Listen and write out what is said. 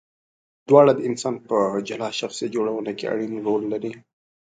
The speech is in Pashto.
دواړه د انسان په جلا شخصیت جوړونه کې اړین رول لري.